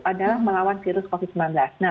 adalah melawan virus covid sembilan belas nah